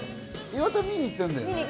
岩田、見に行ったんだよね？